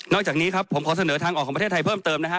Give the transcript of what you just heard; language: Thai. จากนี้ครับผมขอเสนอทางออกของประเทศไทยเพิ่มเติมนะฮะ